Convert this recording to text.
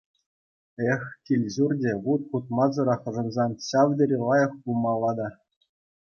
Эх, килӗ-ҫурчӗ вут хутмасӑрах ӑшӑнсан ҫав тери лайӑх пулмалла та.